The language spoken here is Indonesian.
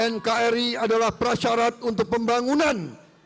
nkri adalah prasyarat untuk pembangunan